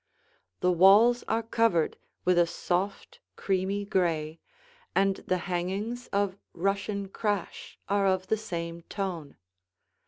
The walls are covered with a soft, creamy gray, and the hangings of Russian crash are of the same tone.